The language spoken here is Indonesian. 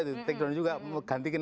semoga nggak ada yang menggunakan